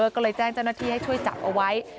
ก็เลยแจ้งเจ้าหน้าที่ให้ช่วยจับเอาไว้